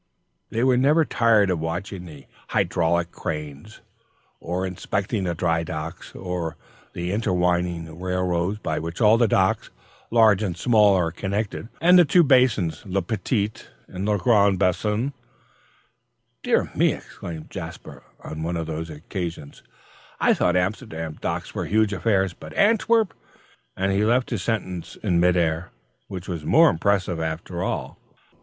They were never tired of watching the hydraulic cranes, of inspecting the dry docks; the intertwining railways by which all the docks, large and small, are connected, and the two basins, Le Petit and Le Grand Bassin. "Dear me!" exclaimed Jasper, on one of these occasions, "I thought Amsterdam docks were huge affairs, but Antwerp!" And he left his sentence in mid air, which was more impressive after all.